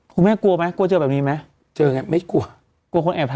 คุณแม่กลัวไหมกลัวเจอแบบนี้ไหมเจอไงไม่กลัว